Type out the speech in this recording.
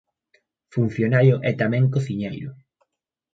Funcionario e tamén cociñeiro.